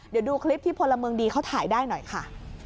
เดี๋ยวดูคลิปที่พลเมืองดีเขาถ่ายได้หน่อยค่ะ